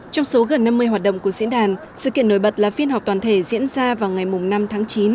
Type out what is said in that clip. trong số gần năm mươi hoạt động của diễn đàn sự kiện nổi bật là phiên họp toàn thể diễn ra vào ngày năm tháng chín